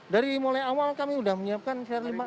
dari mulai awal kami sudah menyiapkan lima